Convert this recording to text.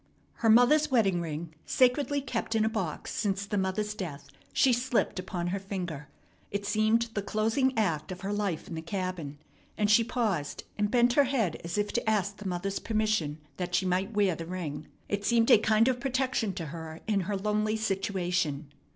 Her mother's wedding ring, sacredly kept in a box since the mother's death, she slipped upon her finger. It seemed the closing act of her life in the cabin, and she paused and bent her head as if to ask the mother's permission that she might wear the ring. It seemed a kind of protection to her in her lonely situation.